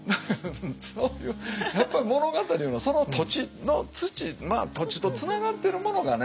そういう物語のその土地の土土地とつながってるものがね